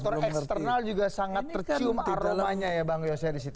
jadi faktor eksternal juga sangat tercium aromanya ya bang yose di situ